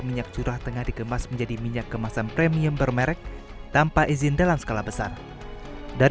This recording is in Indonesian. minyak curah tengah dikemas menjadi minyak kemasan premium bermerek tanpa izin dalam skala besar dari